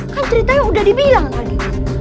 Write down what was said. kan ceritanya udah dibilang tadi